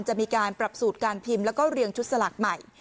จะมีการปรับสูตรการพิมพ์แล้วก็เรียงชุดสลากใหม่